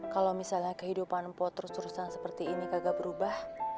kalau misalnya kehidupan mpo terus terusan seperti ini kagak berubah